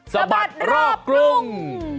สะบัดรอบกรุง